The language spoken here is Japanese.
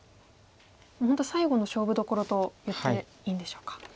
本当最後の勝負どころと言っていいんでしょうか。